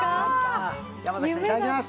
山さんいただきます